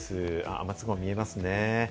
雨粒が見えますね。